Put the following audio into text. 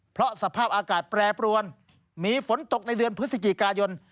เพราะสภาพอากาศแปรปรวนมีฝนตกในเดือนพฤศจิกายน